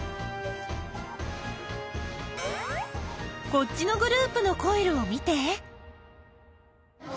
こっちのグループのコイルを見て。